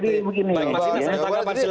pak masinah silahkan